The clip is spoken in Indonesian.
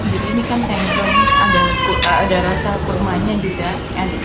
jadi ini kan tengkleng ada rasa kurmanya juga